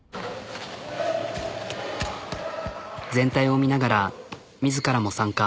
全体を見ながら自らも参加。